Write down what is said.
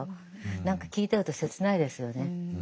何か聞いてると切ないですよね。